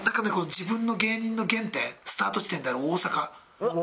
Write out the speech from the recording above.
自分の芸人の原点スタート地点である大阪。